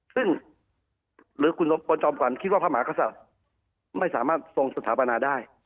ซึ่งหรือคุณจอมขวัญคิดว่าพระมหากษัตริย์ไม่สามารถทรงสถาปนาได้